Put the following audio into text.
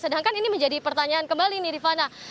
sedangkan ini menjadi pertanyaan kembali nih rifana